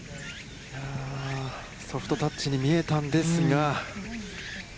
ソフトタッチに見えたんですが。